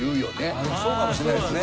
あぁでもそうかもしれないですね。